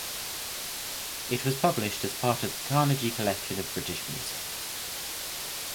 It was published as part of the Carnegie Collection of British Music.